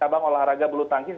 cabang olahraga belutantis